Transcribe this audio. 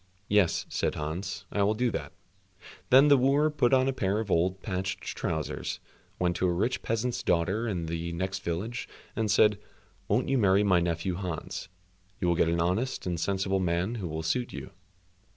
"Yes," said Hans, "I will do all that." Then the wooer put on a pair of old patched trousers, went to a rich peasant's daughter in the next village, and said, "Won't you marry my nephew Hans—you will get an honest and sensible man who will suit you?"